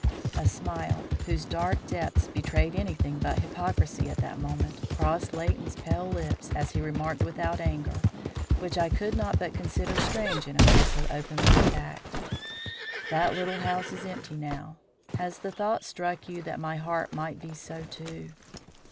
A smile, whose dark depths betrayed anything but hypocrisy at that moment, crossed Leighton's pale lips as he remarked without anger (which I could not but consider strange in a man so openly attacked): "That little house is empty now. Has the thought struck you that my heart might be so too?"